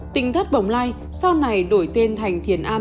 tình thất bồng lai sau này đổi tên thành thiền an